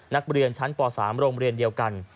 นักเรียนชั้นป๓โรงเรียนเดียวกัน